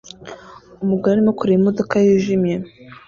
Umugore arimo kureba imodoka yijimye